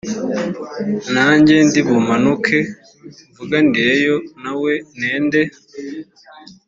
nanjye ndi bumanuke mvuganireyo nawe nende